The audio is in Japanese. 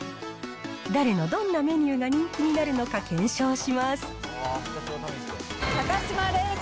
誰のどんなメニューが人気になるのか検証します。